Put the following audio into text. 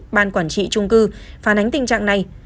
ban quản trị trung cư phản ánh tình trạng này